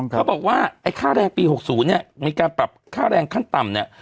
เขาบอกว่าไอ้ค่าแรงปี๖๐เนี่ยมีการปรับค่าแรงขั้นต่ำเนี่ย